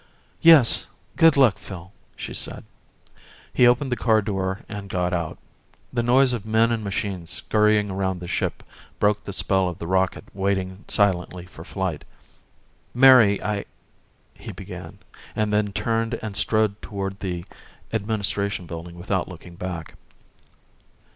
"Yes, good luck, Phil," she said. He opened the car door and got out. The noise of men and machines scurrying around the ship broke the spell of the rocket waiting silently for flight. "Mary, I " he began, and then turned and strode toward the administration building without looking back.